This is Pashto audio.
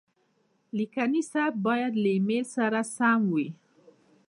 د لیکنې سبک باید د ایم ایل اې سره سم وي.